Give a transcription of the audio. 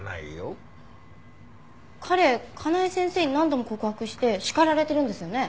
彼香奈枝先生に何度も告白して叱られてるんですよね？